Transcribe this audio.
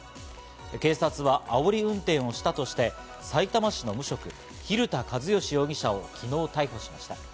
警察は、あおり運転をしたとして、さいたま市の無職・蛭田知良容疑者を昨日、逮捕しました。